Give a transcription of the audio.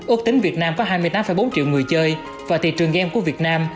ước tính việt nam có hai mươi tám bốn triệu người chơi và thị trường game của việt nam